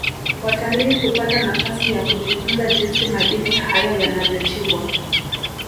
watalii hupata nafasi ya kujifunza jinsi madini hayo yanavyochimbwa